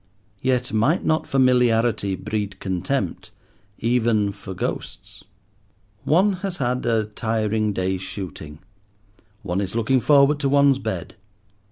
Yet might not familiarity breed contempt, even for ghosts. One has had a tiring day's shooting. One is looking forward to one's bed.